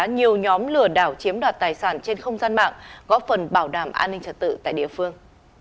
nhiều nhóm lừa đảo chiếm đoạt tài sản trên không gian mạng góp phần bảo đảm an ninh trật tự tại địa phương